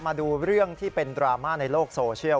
มาดูเรื่องที่เป็นดราม่าในโลกโซเชียล